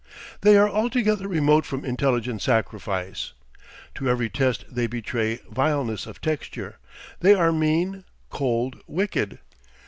They are altogether remote from intelligent sacrifice. To every test they betray vileness of texture; they are mean, cold, wicked.